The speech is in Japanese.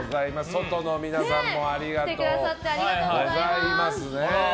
外の皆さんもありがとうございます。